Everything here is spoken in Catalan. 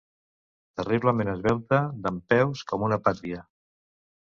Terriblement esvelta, dempeus, com una pàtria.